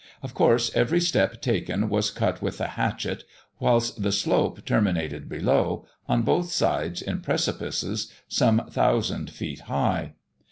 Of course, every step taken was cut with the hatchet, whilst the slope terminated below, on both sides in precipices some thousand feet high.